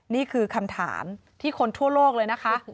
นี่คือคำถามที่คนทั่วโลกเลยนะคะ